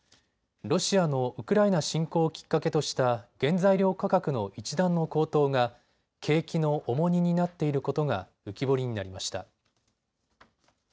ロシアのウクライナ侵攻をきっかけとした原材料価格の一段の高騰が景気の重荷になっていることが浮き彫りになりました。